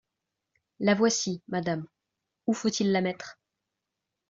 La voici, madame ; où faut-il la mettre ?